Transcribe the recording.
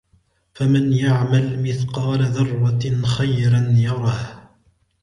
فَمَنْ يَعْمَلْ مِثْقَالَ ذَرَّةٍ خَيْرًا يَرَهُ